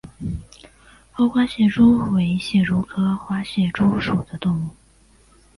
凹花蟹蛛为蟹蛛科花蟹蛛属的动物。